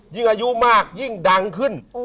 ยิ่งอายุมากยิ่งดังขึ้น